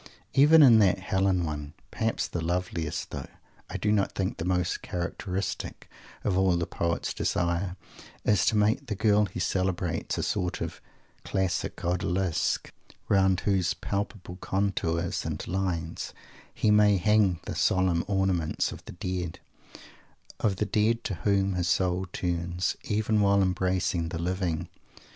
Even in that Helen one, perhaps the loveliest, though, I do not think, the most characteristic, of all, the poet's desire is to make of the girl he celebrates a sort of Classic Odalisque, round whose palpable contours and lines he may hang the solemn ornaments of the Dead of the Dead to whom his soul turns, even while embracing the living!